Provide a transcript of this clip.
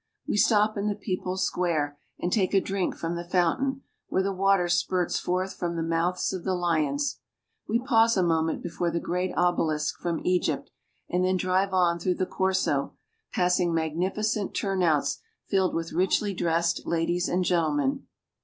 We stop in the People's Square and take a drink from the fountain, where the water spurts forth from the mouths of the lions ; we pause a moment before the great obelisk from Egypt, and then drive on through the Corso, passing magnificent turnouts filled with richly dressed ladies and gentlemen.